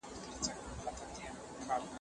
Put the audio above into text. تاسو باید د داسې آثارو په اړه خپلې لیکنې خپرې کړئ.